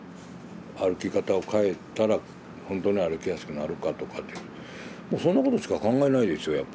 歩き方を変えたらほんとに歩きやすくなるかとかってもうそんなことしか考えないですよ